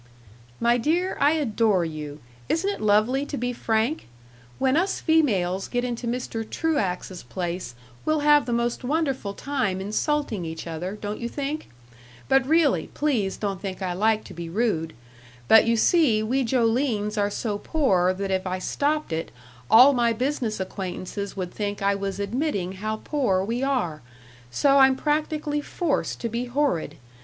"My dear, I adore you. Isn't it lovely to be frank? When us females get into Mr. Truax's place we'll have the most wonderful time insulting each other, don't you think? But, really, please don't think I like to be rude. But you see we Jolines are so poor that if I stopped it all my business acquaintances would think I was admitting how poor we are, so I'm practically forced to be horrid.